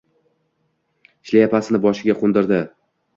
Shlyapasini boshiga qo‘ndirdi.